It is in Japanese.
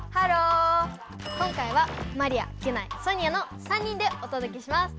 今回はマリアギュナイソニアの３人でおとどけします。